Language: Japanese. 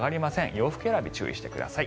洋服選び注意してください。